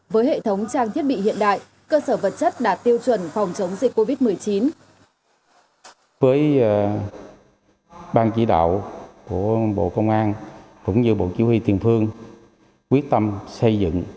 với hệ thống trang thiết bị hiện đại cơ sở vật chất đạt tiêu chuẩn phòng chống dịch covid một mươi chín